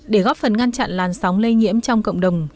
để góp phần ngăn chặn làn sóng lây nhiễm trong cộng đồng